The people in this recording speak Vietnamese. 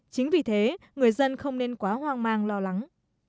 chính vì thế người dân không nên quá hoang mang lo lắng